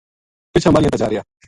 پِچھاں ماہلیاں تا جارہیا